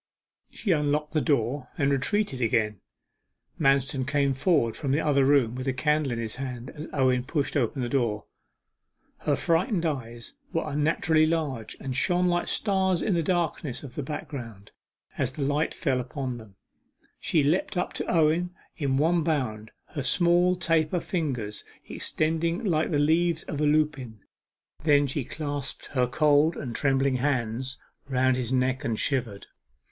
She unlocked the door, and retreated again. Manston came forward from the other room with a candle in his hand, as Owen pushed open the door. Her frightened eyes were unnaturally large, and shone like stars in the darkness of the background, as the light fell upon them. She leapt up to Owen in one bound, her small taper fingers extended like the leaves of a lupine. Then she clasped her cold and trembling hands round his neck and shivered.